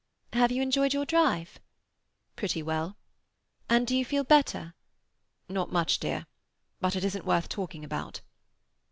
"Have you enjoyed your drive?" "Pretty well." "And do you feel better?" "Not much, dear. But it isn't worth talking about."